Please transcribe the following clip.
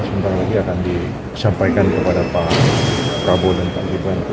jadi akan disampaikan kepada pak prabowo dan pak ibuan